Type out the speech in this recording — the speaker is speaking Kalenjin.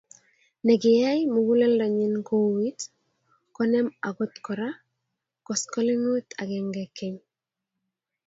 Nekiyai muguleldonyi kouit konem agot Kora koskolingut agenge keny